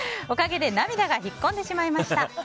おかげで涙がひっこんでしまいました。